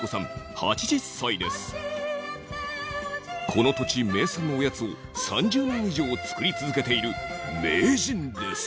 この土地名産のおやつを３０年以上作り続けている名人です。